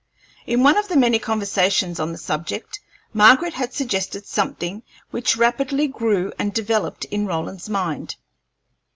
In one of the many conversations on the subject; Margaret had suggested something which rapidly grew and developed in Roland's mind.